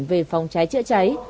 về phòng cháy chữa cháy